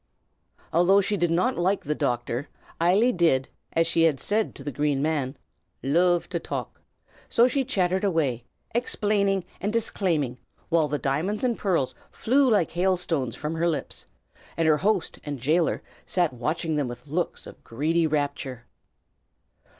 Although she did not like the doctor, Eily did, as she had said to the Green Man, "loove to talk;" so she chattered away, explaining and disclaiming, while the diamonds and pearls flew like hail stones from her lips, and her host and jailer sat watching them with looks of greedy rapture.